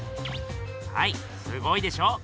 はいすごいでしょう？